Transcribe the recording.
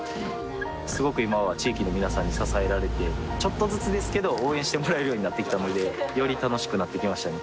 すごく今は地域の皆さんに支えられてちょっとずつですけど応援してもらえるようになってきたのでより楽しくなってきましたね